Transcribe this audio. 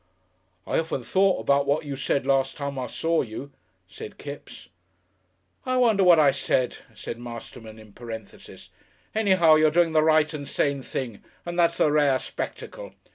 "I often thought about what you said last time I saw you," said Kipps. "I wonder what I said," said Masterman in parenthesis. "Anyhow, you're doing the right and sane thing, and that's a rare spectacle.